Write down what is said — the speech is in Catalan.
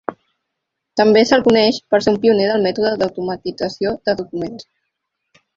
També se'l coneix per ser un pioner del mètode d'automatització de documents.